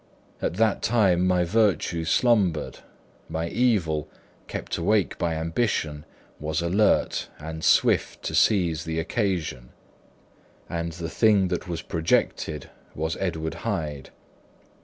At that time my virtue slumbered; my evil, kept awake by ambition, was alert and swift to seize the occasion; and the thing that was projected was Edward Hyde.